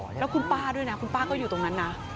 แล้วคุณป้าด้วยนะคุณป้าก็อยู่ตรงนั้นนะ